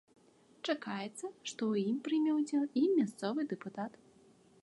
Чакаецца, што ў ім прыме ўдзел і мясцовы дэпутат.